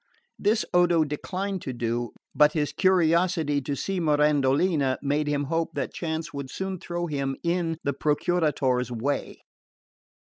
This Odo declined to do; but his curiosity to see Mirandolina made him hope that chance would soon throw him in the Procuratore's way.